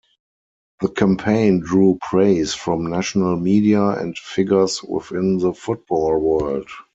The campaign drew praise from national media and figures within the football world.